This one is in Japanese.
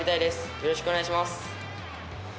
よろしくお願いします。